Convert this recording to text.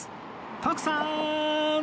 徳さーん！